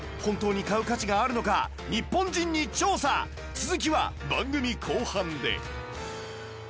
続きは番組後半で